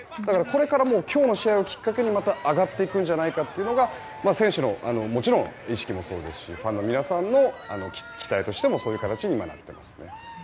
これから今日の試合をきっかけにまた上がっていくんじゃないかというのが選手の意識もそうですしファンの皆さんの期待としてもそういう形になっています。